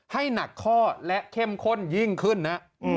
ให้หนักข้อและเข้มข้นยิ่งขึ้นนะ